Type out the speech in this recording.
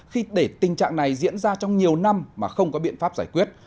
khi để tình trạng này diễn ra trong nhiều năm mà không có biện pháp giải quyết